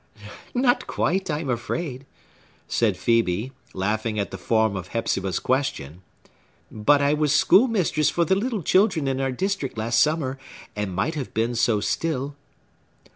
"Not quite, I am afraid," said Phœbe, laughing at the form of Hepzibah's question. "But I was schoolmistress for the little children in our district last summer, and might have been so still."